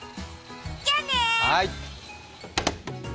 じゃあね。